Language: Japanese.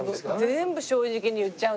全部正直に言っちゃうんだから。